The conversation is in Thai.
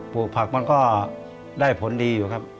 ปลูกผักมันก็ได้ผลดีอยู่ครับ